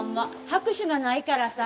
拍手がないからさ。